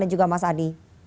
dan juga mas adi